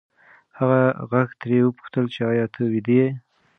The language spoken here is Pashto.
هغه غږ ترې وپوښتل چې ایا ته ویده یې؟